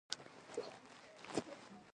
احمد ټول کار ترسره کړي په لکۍ کې یې پرېږدي.